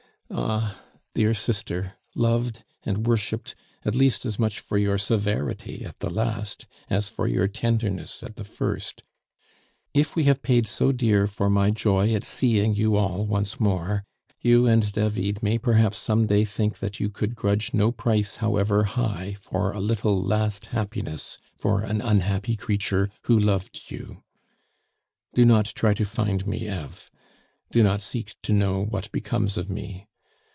Ah, dear sister, loved and worshiped at least as much for your severity at the last as for your tenderness at the first if we have paid so dear for my joy at seeing you all once more, you and David may perhaps some day think that you could grudge no price however high for a little last happiness for an unhappy creature who loved you. Do not try to find me, Eve; do not seek to know what becomes of me.